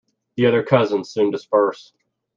The other cousins soon disperse.